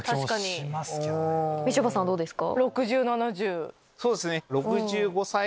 みちょぱさんどうですか？